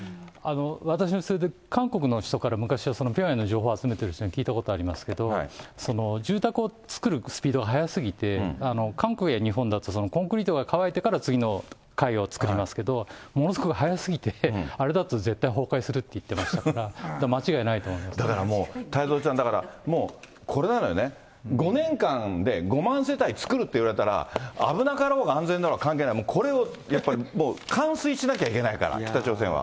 私もそれで韓国の人から昔はピョンヤンの情報集めてる人に聞いたことありますけど、住宅を作るスピードがはやすぎて、韓国や日本だとコンクリートが乾いてから次の階を作りますけど、ものすごく早すぎて、あれだと絶対崩壊するって言ってましたから、間違いないと思いまだからもう太蔵ちゃん、だから、もうこれなのよね、５年間で５万世帯作るっていわれたら、危なかろうが安全だろうが関係ない、もうこれをやっぱり、もう完遂しなきゃいけないから、北朝鮮は。